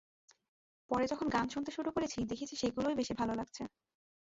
পরে যখন গান শুনতে শুরু করেছি, দেখেছি সেগুলোই বেশি ভালো লাগছে।